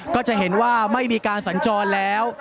ก็จะเห็นว่าไม่มีการสัญจรแล้ว